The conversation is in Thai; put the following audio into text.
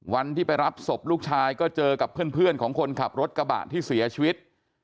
วันที่ไปรับศพลูกชายก็เจอกับเพื่อนของคนขับรถกระบะที่เสียชีวิต